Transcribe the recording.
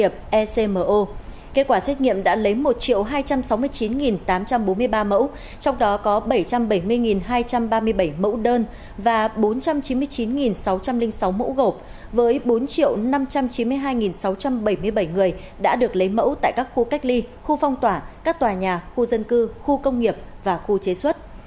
từ ngày một mươi hai sáu trăm bảy mươi bảy người đã được lấy mẫu tại các khu cách ly khu phong tỏa các tòa nhà khu dân cư khu công nghiệp và khu chế xuất